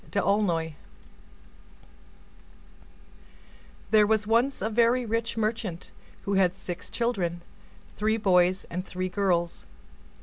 d'Aulnoy There was once a very rich merchant, who had six children, three boys and three girls.